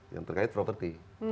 yang terkait property